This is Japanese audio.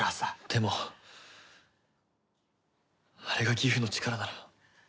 でもあれがギフの力ならもう。